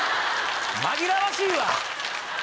紛らわしいわ！